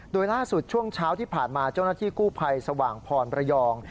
โดยล่าสุดช่วงเช้าที่ผ่านมาเจ้าหน้าที่กู้ภัยสว่างพรประยอง